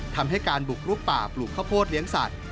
ทำให้การบุกลุกป่าปลูกข้าวโพดเลี้ยงสัตว